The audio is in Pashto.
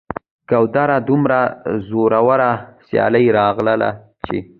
ګودره! دومره زوروره سیلۍ راغلله چې